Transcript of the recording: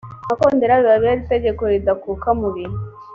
makondera bibabere itegeko ridakuka mu bihe